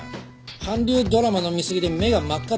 韓流ドラマの見すぎで目が真っ赤だぞ。